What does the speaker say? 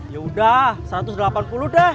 yaudah rp satu ratus delapan puluh dah